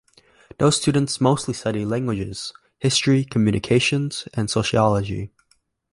Those students mostly study languages, history, communications, and sociology.